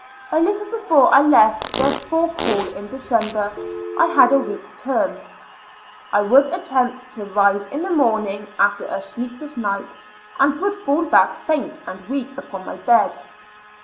A little before I left the fourth hall in De 122 ^^^^ Years and Four Months cember, I had a weak turn ; I would attempt to rise in the morning after a sleepless night, and would fall back faint and weak upon my bed.